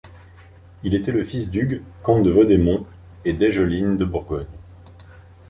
Il était fils d'Hugues, comte de Vaudémont, et d'Aigeline de Bourgogne.